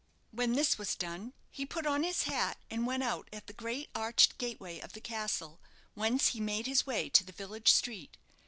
When this was done he put on his hat, and went out at the great arched gateway of the castle, whence he made his way to the village street.